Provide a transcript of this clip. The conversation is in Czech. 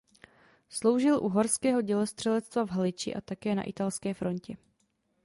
Sloužil u horského dělostřelectva v Haliči a také na italské frontě.